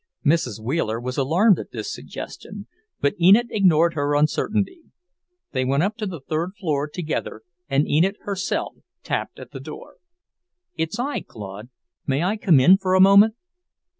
Mrs. Wheeler was alarmed at this suggestion, but Enid ignored her uncertainty. They went up to the third floor together, and Enid herself tapped at the door. "It's I, Claude. May I come in for a moment?"